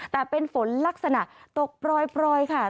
แต่เป็นฝนลักษณะตกปล่อยค่ะ